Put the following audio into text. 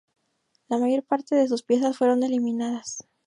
La mayor parte de sus piezas fueron eliminadas.